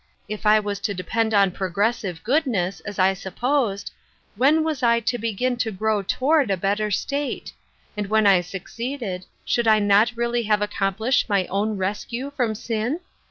If I was to depend on progreft 208 Ruth Ershine's Crosset. sive goodness, as I supposed, when was I to begin to grow toward a better state ; and when I succeeded should I not really have accom plished my own rescue from sin